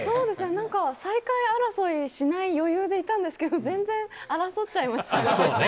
なんか最下位争いしない余裕でいたんですけど、全然争っちゃいましたね。